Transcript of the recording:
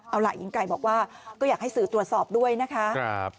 เอาล่ะหญิงไก่บอกว่าก็อยากให้สื่อตรวจสอบด้วยนะคะ